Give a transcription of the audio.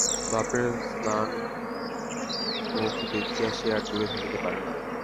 বাপের ম্লান মুখ দেখিয়া সে আর দূরে থাকিতে পারে না।